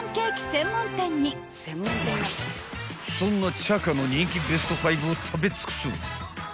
［そんな茶香の人気ベスト５を食べ尽くす］